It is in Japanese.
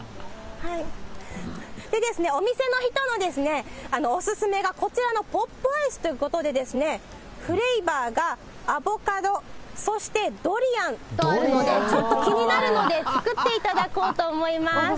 お店の人のお勧めがこちらのポップアイスということで、フレーバーがアボカド、そしてドリアンとあるので、ちょっと気になるので作っていただこうと思います。